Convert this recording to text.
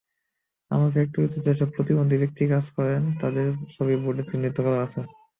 আমার ফ্যাক্টরিতে যেসব প্রতিবন্ধী ব্যক্তি কাজ করেন, তাঁদের ছবি বোর্ডে চিহ্নিত করা আছে।